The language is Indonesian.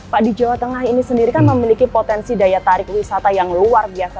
pak di jawa tengah ini sendiri kan memiliki potensi daya tarik wisata yang luar biasa